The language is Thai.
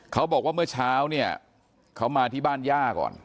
เขาบอกว่าเมื่อเช้าเนี่ยเขามาที่บ้านย่าก่อน